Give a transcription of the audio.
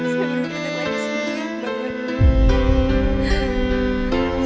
saya belum pernah lagi sembuh